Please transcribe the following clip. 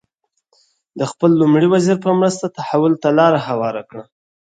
د خپل لومړي وزیر په مرسته تحول ته لار هواره کړه.